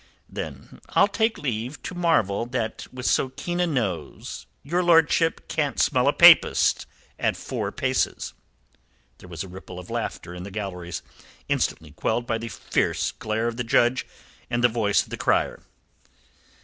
"Then I'll take leave to marvel that with so keen a nose your lordship can't smell a papist at four paces." There was a ripple of laughter in the galleries, instantly quelled by the fierce glare of the Judge and the voice of the crier.